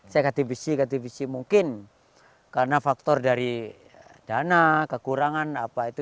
saya kati bisi kati bisi mungkin karena faktor dari dana kekurangan apa itu